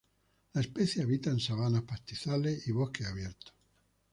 La especie habita en sabanas, pastizales y bosques abiertos.